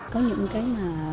có những cái mà